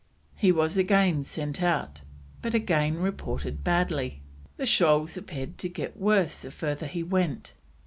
He was again sent out, but again reported badly; the shoals appeared to get worse the further he went.